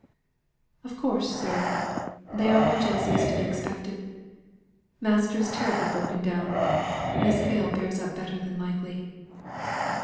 "Of course, sir. They are much as is to be expected. Master is terribly broke down. Miss Hale bears up better than likely."